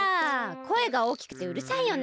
こえがおおきくてうるさいよね。